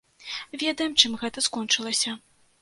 Ведаем, чым гэта скончылася.